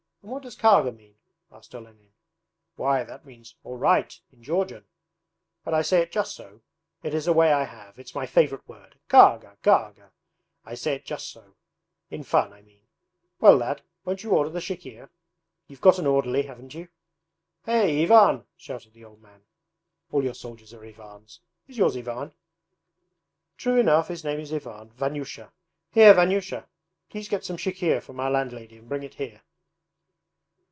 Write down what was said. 'And what does "Karga" mean?' asked Olenin. 'Why, that means "All right" in Georgian. But I say it just so. It is a way I have, it's my favourite word. Karga, Karga. I say it just so; in fun I mean. Well, lad, won't you order the chikhir? You've got an orderly, haven't you? Hey, Ivan!' shouted the old man. 'All your soldiers are Ivans. Is yours Ivan?' 'True enough, his name is Ivan Vanyusha. Here Vanyusha! Please get some chikhir from our landlady and bring it here.'